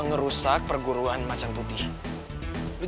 gue harus cari tahu